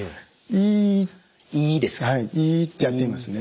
イーってやってみますね。